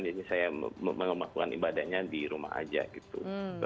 jadi saya melakukan ibadahnya di rumah aja gitu